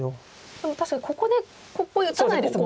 でも確かにここでここへ打たないですもんね。